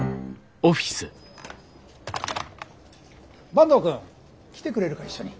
坂東くん来てくれるか一緒に。